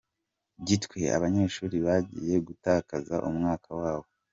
Gitwe Abanyeshuri bagiye gutakaza umwaka wabo